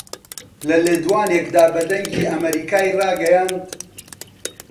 لە لێدوانێکدا بە دەنگی ئەمەریکای ڕاگەیاند